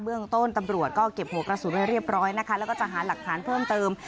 เรื่องต้นตำรวจก็เก็บหัวกระสุนไว้เรียบร้อยนะคะแล้วก็จะหาหลักฐานเพิ่มเติม